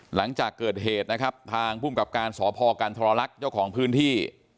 หลังจากเกิดเหตุนะครับทางภูมิกับการสพกันทรลักษณ์เจ้าของพื้นที่